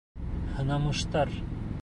Һынамыштар